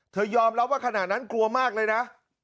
ยอมรับว่าขณะนั้นกลัวมากเลยนะ